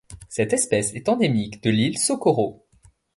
Cette espèce est endémique de l'île Socorro.